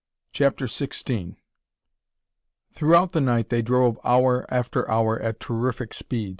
CHAPTER XVI Throughout the night they drove hour after hour at terrific speed.